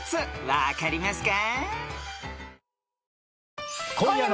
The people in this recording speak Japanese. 分かりますか？］